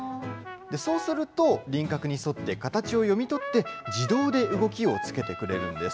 そうすると、輪郭に沿って、形を読み取って、自動で動きをつけてくれるんです。